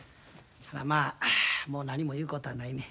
まあもう何も言うことはないねん。